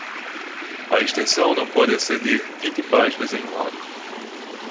A extensão não pode exceder vinte páginas em um lado.